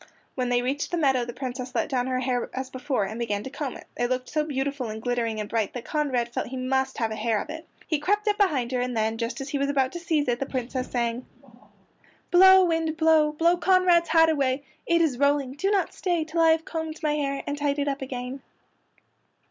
When they reached the meadow the Princess let down her hair as before and began to comb it. It looked so beautiful and glittering and bright that Conrad felt he must have a hair of it. He crept up behind her and then, just as he was about to seize it, the Princess sang: "Blow, wind, blow! Blow Conrad's hat away. It is rolling! Do not stay Till I have combed my hair And tied it up again."